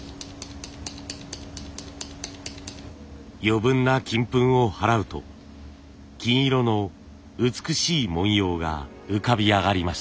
余分な金粉を払うと金色の美しい文様が浮かび上がりました。